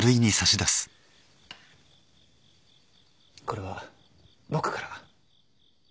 これは僕から。